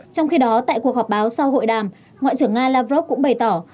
trong khi đó tại cuộc họp báo sau hội đàm ngoại trưởng nga lavrov cũng bày tỏ